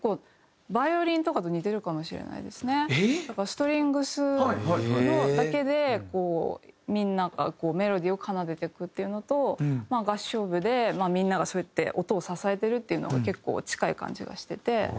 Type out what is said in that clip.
ストリングスだけでみんながメロディーを奏でていくっていうのと合唱部でみんながそうやって音を支えてるっていうのが結構近い感じがしてて。